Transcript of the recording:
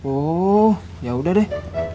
oh yaudah deh